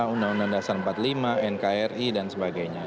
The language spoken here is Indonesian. undang undang dasar empat puluh lima nkri dan sebagainya